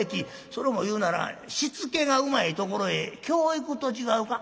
それも言うなら『しつけがうまいところへ教育』と違うか？」。